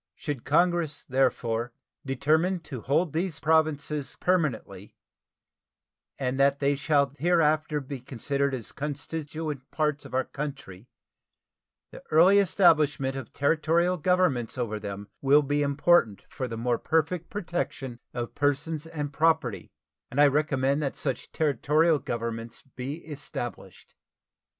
Should Congress, therefore, determine to hold these Provinces permanently, and that they shall hereafter be considered as constituent parts of our country, the early establishment of Territorial governments over them will be important for the more perfect protection of persons and property; and I recommend that such Territorial governments be established.